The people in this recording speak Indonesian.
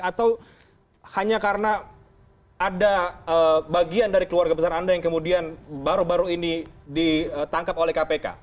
atau hanya karena ada bagian dari keluarga besar anda yang kemudian baru baru ini ditangkap oleh kpk